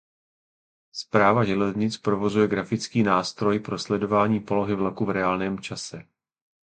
Správa železnic provozuje grafický nástroj pro sledování polohy vlaku v reálném čase.